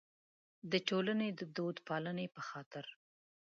د ټولنې د دودپالنې په خاطر.